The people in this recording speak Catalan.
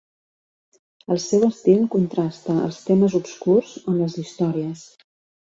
El seu estil contrasta els temes obscurs amb les històries.